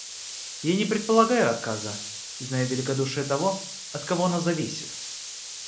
Я не предполагаю отказа, зная великодушие того, от кого оно зависит.